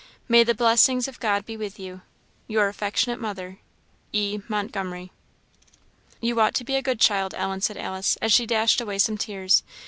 May the blessings of God be with you! Your affectionate mother, "E. MONTGOMERY." "You ought to be a good child, Ellen," said Alice, as she dashed away some tears.